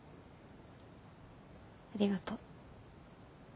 ありがと。